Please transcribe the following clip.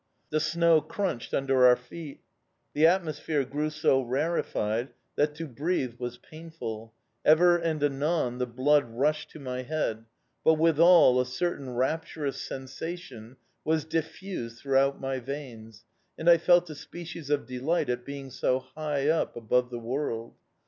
The snow crunched under our feet. The atmosphere grew so rarefied that to breathe was painful; ever and anon the blood rushed to my head, but withal a certain rapturous sensation was diffused throughout my veins and I felt a species of delight at being so high up above the world.